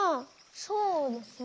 そうですね。